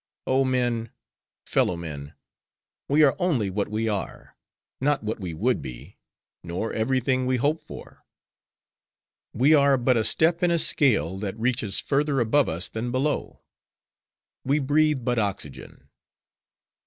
"'Oh men! fellow men! we are only what we are; not what we would be; nor every thing we hope for. We are but a step in a scale, that reaches further above us than below. We breathe but oxygen.